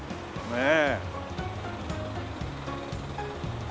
ねえ。